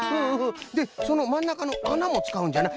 でそのまんなかのあなもつかうんじゃな。